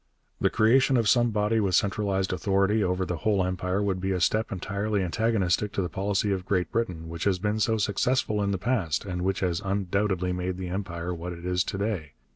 'The creation of some body with centralized authority over the whole Empire would be a step entirely antagonistic to the policy of Great Britain which has been so successful in the past, and which has undoubtedly made the Empire what it is to day.